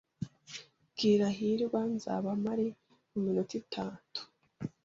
Bwira hirwa nzaba mpari muminota itatu.